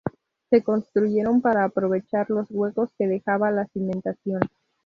Se construyeron para aprovechar los huecos que dejaba la cimentación.